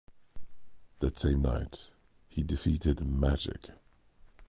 That same night, he defeated Magic.